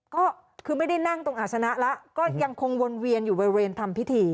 ก็คือไม่ได้นั่งตรงอาศนะแล้วก็ยังคงวนเวียนอยู่บริเวณทำพิธี